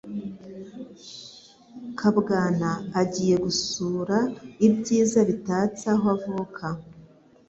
kabwana agiye gusura ibyiza bitatse aho avuka